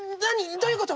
どういうこと？